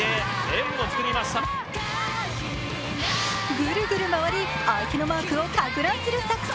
ぐるぐる回り、相手のマークをかく乱する作戦。